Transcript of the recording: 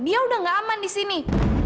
dia udah gak aman disini